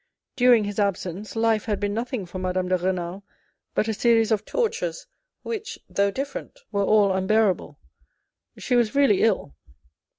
During his absence, life had been nothing for Madame de R£nal but a series of tortures, which, though different, were all unbearable. She was really ill.